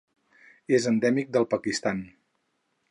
És endèmic del Pakistan.